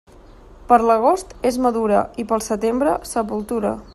Per l'agost és madura, i pel setembre, sepultura.